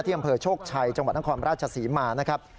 อำเภอโชคชัยจังหวัดนครราชศรีมานะครับ